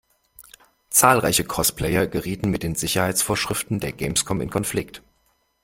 Zahlreiche Cosplayer gerieten mit den Sicherheitsvorschriften der Gamescom in Konflikt.